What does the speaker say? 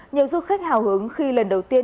nhiều du khách hào hứng khi lần đầu tiên